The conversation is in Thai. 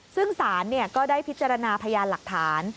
ซึ่งศาลก็ได้พิจารณาพยานหลักฐาน